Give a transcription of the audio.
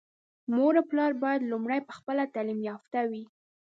مور او پلار بايد لومړی په خپله تعليم يافته وي.